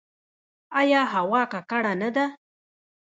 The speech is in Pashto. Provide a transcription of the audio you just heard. آیا هوا ککړه نه ده؟